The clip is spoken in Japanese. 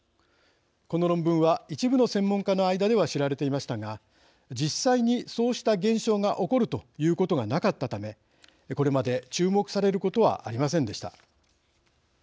この論文は一部の専門家の間では知られていましたが、実際にそうした現象が起こるということがなかったためこれまで注目されることはありませんでした。